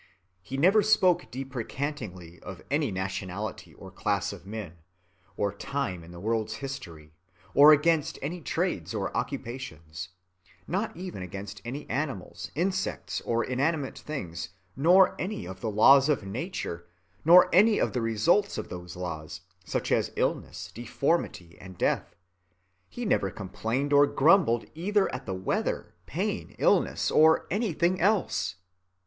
He never spoke deprecatingly of any nationality or class of men, or time in the world's history, or against any trades or occupations—not even against any animals, insects, or inanimate things, nor any of the laws of nature, nor any of the results of those laws, such as illness, deformity, and death. He never complained or grumbled either at the weather, pain, illness, or anything else.